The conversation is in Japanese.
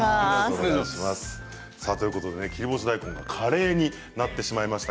切り干し大根がカレーになってしまいました。